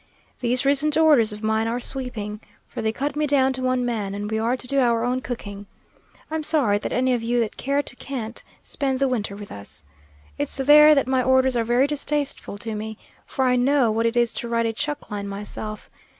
These recent orders of mine are sweeping, for they cut me down to one man, and we are to do our own cooking. I'm sorry that any of you that care to can't spend the winter with us. It's there that my orders are very distasteful to me, for I know what it is to ride a chuck line myself.